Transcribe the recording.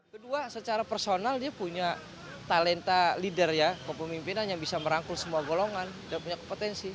kedua secara personal dia punya talenta leader ya kepemimpinan yang bisa merangkul semua golongan dan punya kompetensi